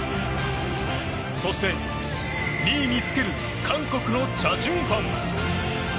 そして、２位につける韓国のチャ・ジュンファン。